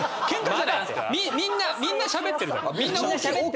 みんなみんなしゃべってるの。